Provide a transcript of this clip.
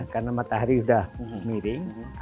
karena matahari sudah miring